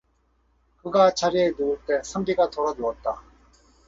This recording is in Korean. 그가 자리에 누울 때 선비가 돌아누웠다.